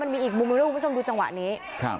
มันมีอีกมุมให้คุณผู้ชมดูจังหวะนี้